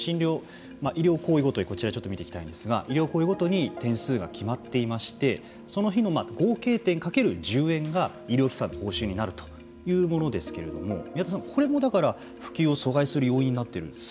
医療行為ごとに見ていきたいんですが医療行為ごとに点数が決まっていましてその日の合計点掛ける１０円が医療機関の報酬になるというものですけれども宮田さん、これも普及を阻害する要因になっているんですか。